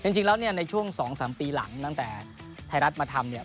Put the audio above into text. จริงแล้วเนี่ยในช่วง๒๓ปีหลังตั้งแต่ไทยรัฐมาทำเนี่ย